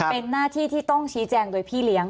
เป็นหน้าที่ที่ต้องชี้แจงโดยพี่เลี้ยง